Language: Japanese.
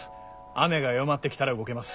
雨が弱まってきたら動けます。